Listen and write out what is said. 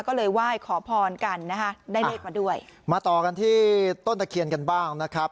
ก็เลยไหว้ขอพรกันนะคะได้เลขมาด้วยมาต่อกันที่ต้นตะเคียนกันบ้างนะครับ